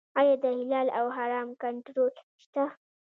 آیا د حلال او حرام کنټرول شته؟